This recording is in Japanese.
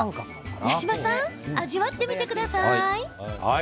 八嶋さん、味わってみてください。